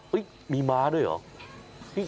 มีม้าด้วยเหรอ